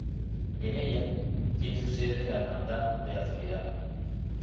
En ella tiene su sede la Hermandad de la Trinidad.